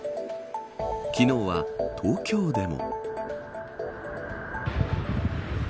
昨日は東京でも。